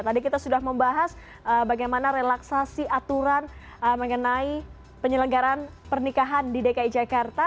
tadi kita sudah membahas bagaimana relaksasi aturan mengenai penyelenggaran pernikahan di dki jakarta